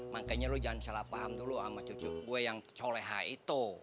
makanya lo jangan salah paham dulu sama cucu gue yang coleha itu